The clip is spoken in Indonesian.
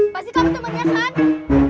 pasti kamu temennya kan